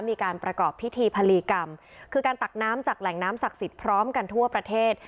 มีการประกอบพิธีพลีกรรมคือการตักน้ำจากแหล่งน้ำศักดิ์สิทธิ์พร้อมกันทั่วประเทศ